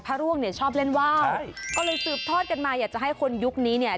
ร่วงเนี่ยชอบเล่นว่าวก็เลยสืบทอดกันมาอยากจะให้คนยุคนี้เนี่ย